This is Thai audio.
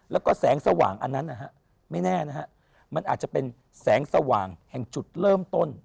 แล้วก็แสงสว่างอันนั้นนะฮะไม่แน่นะฮะมันอาจจะเป็นแสงสว่างแห่งจุดเริ่มต้น